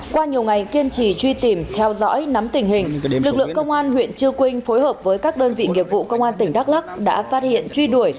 qua nhiều ngày kiên trì truy tìm theo dõi nắm tình hình lực lượng công an huyện chư quynh phối hợp với các đơn vị nghiệp vụ công an tỉnh đắk lắc đã phát hiện truy đuổi